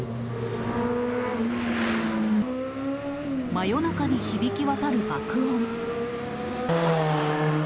真夜中に響き渡る爆音。